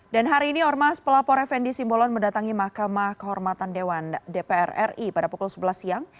dan hari ini ormas pelapor fnd simbolon mendatangi mahkamah kehormatan dewan dpr ri pada pukul sebelas siang